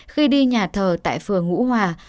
khi đi nhà thờ tại phường bửu hòa